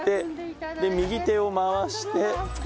右手を回して。